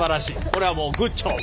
これはもうグッジョブ。